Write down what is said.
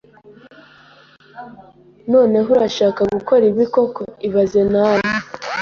Noneho, urashaka gukora ibi koko ibaze nawe koko